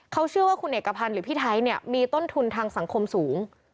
เขาเชื่อว่าคุณเอกพันธ์หรือพี่ไทยเนี่ยมีต้นทุนทางสังคมสูง